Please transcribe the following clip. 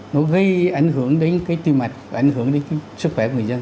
nó gây ảnh hưởng đến cái tiêu mạch và ảnh hưởng đến sức khỏe của người dân